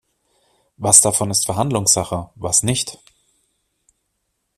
Was davon ist Verhandlungssache, was nicht?